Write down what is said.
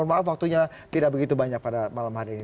maaf waktunya tidak begitu banyak pada malam hari ini